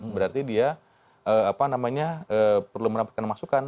berarti dia perlu mendapatkan masukan